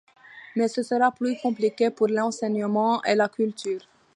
Mais ce sera plus compliqué pour l’enseignement et la culture.